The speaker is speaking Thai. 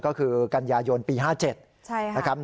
ก็คือกันยายนปี๕๗นะครับ